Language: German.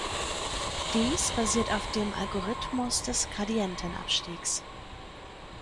Dies basiert auf dem Algorithmus des Gradientenabstiegs.